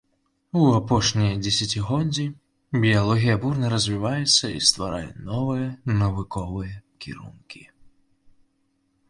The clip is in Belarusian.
У апошнія дзесяцігоддзі біялогія бурна развіваецца і стварае новыя навуковыя кірункі.